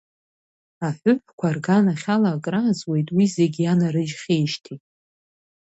Аҳәыҳәқәа рганахь ала акрааҵуеит уи зегь ианарыжьхьеижьҭеи.